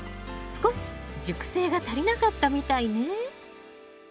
少し熟成が足りなかったみたいね。